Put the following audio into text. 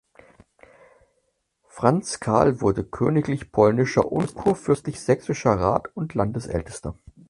Franz Karl wurde königlich polnischer und kurfürstlich sächsischer Rat und Landesältester.